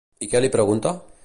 I què li pregunta?